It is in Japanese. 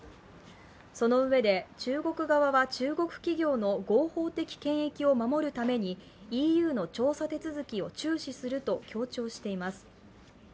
そのうえで中国側は中国企業の合法的権益を守るためにＥＵの調査手続きを注視すると強調しています。